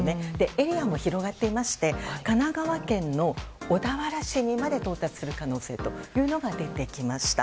エリアも広がっていまして神奈川県の小田原市にまで到達する可能性というのが出てきました。